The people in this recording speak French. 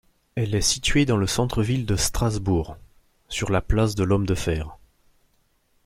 Elle est située dans le centre-ville de Strasbourg, sur la place de l'Homme-de-Fer.